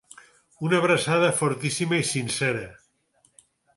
Una abraçada fortíssima i sincera.